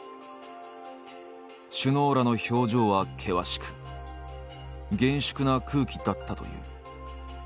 首脳らの表情は険しく厳粛な空気だったという。